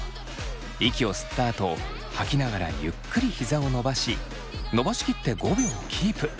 息を吸ったあと吐きながらゆっくりひざを伸ばし伸ばしきって５秒キープ。